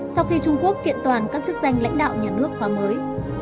sau khi trung quốc kiện toàn các chức danh lãnh đạo nhà nước khóa mới